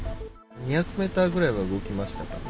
２００メーターぐらいは動きましたかね。